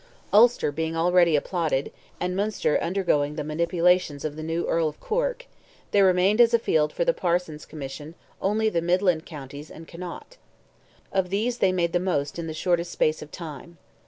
Ulster being already applotted, and Munster undergoing the manipulation of the new Earl of Cork, there remained as a field for the Parsons Commission only the Midland Counties and Connaught. Of these they made the most in the shortest space of time.